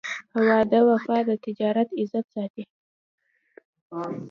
په وعده وفا د تجارت عزت ساتي.